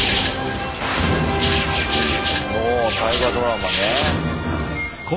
おお大河ドラマね。